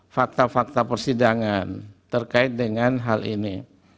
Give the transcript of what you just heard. fakta fakta persidangan terkait dengan hal ini